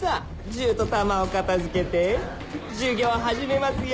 銃と弾を片づけて授業を始めますよ